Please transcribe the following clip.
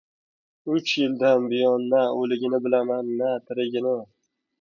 — Uch yildan buyon na o‘ligini bilaman, na tirigini.